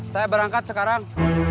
saya berangkat sekarang